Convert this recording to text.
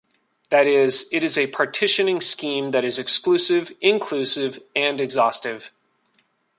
That is, it is a partitioning scheme that is exclusive, inclusive, and exhaustive.